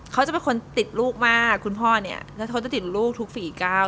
เขาจะเป็นคนติดลูกมากคุณพ่อเนี่ยแล้วเขาจะติดลูกทุกฝีก้าว